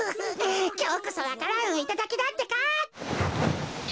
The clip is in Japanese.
きょうこそわか蘭をいただきだってか。